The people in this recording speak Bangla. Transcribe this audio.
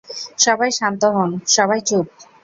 সবাই শান্ত হোন সবাই চুপ!